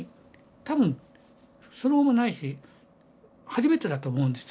多分その後もないし初めてだと思うんですよ